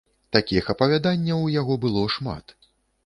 Такіх апавяданняў у яго было шмат.